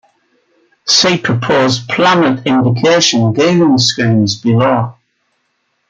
See Proposed planet indication gearing schemes below.